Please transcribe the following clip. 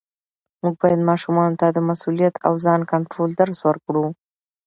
موږ باید ماشومانو ته د مسؤلیت او ځان کنټرول درس ورکړو